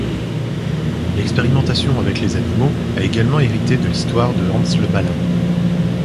L'expérimentation avec les animaux a également hérité de l’histoire de Hans le Malin.